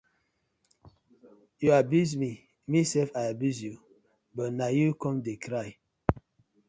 Yu abuse mi mi sef I abuse yu but na yu com de cry.